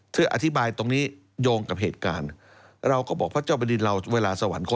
เพื่ออธิบายตรงนี้โยงกับเหตุการณ์เราก็บอกพระเจ้าบดินเราเวลาสวรรคต